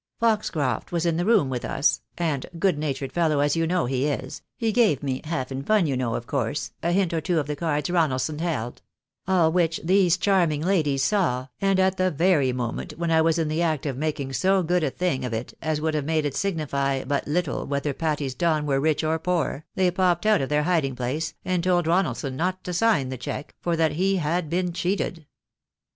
Foxcroft was in the room with us, and, good natured fellow, as you know he is, he gave me, half in fun, you know, of course, a hint or two of the cards Ronaldson held — all which these charming ladies saw, and at the very moment when I was in the act of making so good a thing of it as would have made it signify but Uttle whether Patty's Don were rich or poor, they popped out of their hiding place, and told Ronaldson not to sign the check, for that he had been cheated.